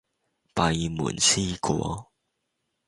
閉門思過